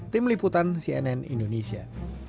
tim liputan cnn indonesia